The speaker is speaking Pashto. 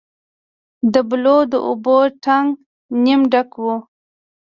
د بلو د اوبو ټانک نیمه ډک و.